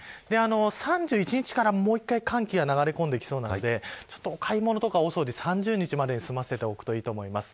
３１日から、もう１回寒気が流れ込んできそうなのでお買い物とか大掃除は３０日までに済ませておくといいと思います。